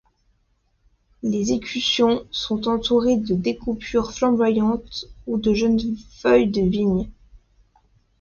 Les écussons sont entourés de découpures flamboyantes, ou de jeunes feuilles de vigne.